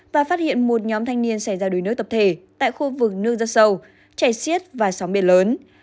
và phát hiện một nhóm thanh niên xảy ra đuối nước tập thể tại khu vực nương rất sâu chảy xiết và sóng biển lớn